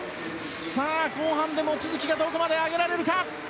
さあ、後半で望月がどこまで上げられるか。